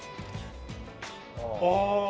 ああ。